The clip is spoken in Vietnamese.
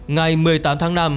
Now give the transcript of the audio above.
ngày một mươi tám tháng năm